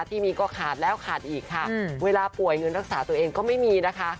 ที่มีก็ขาดแล้วขาดอีกค่ะเวลาป่วยเงินรักษาตัวเองก็ไม่มีนะคะ